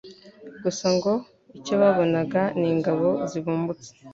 Gusa ngo icyo babonaga n'ingabo zivumbutse